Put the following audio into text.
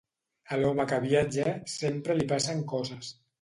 A l'home que viatja, sempre li passen coses.